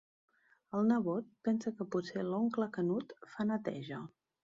El nebot pensa que potser l'oncle Canut fa neteja.